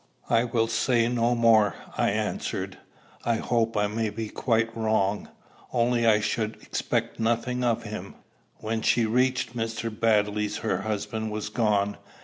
"I will say no more," I answered. "I hope I may be quite wrong. Only I should expect nothing of him." When she reached Mr. Baddeley's her husband was gone.